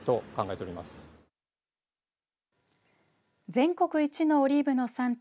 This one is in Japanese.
全国一のオリーブの産地